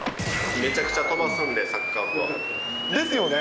めちゃくちゃ飛ばすんで、サッカー部は。ですよね。